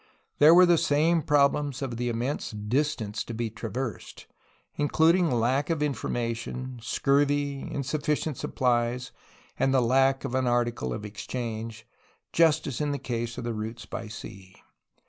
There were the same problems of the immense distance to be traversed, including lack of information, scurvy, insufficient supplies, and lack of an article of ex change, just as in the case of the routes by sea.